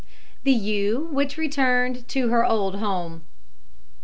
THE EWE WHICH RETURNED TO HER OLD HOME.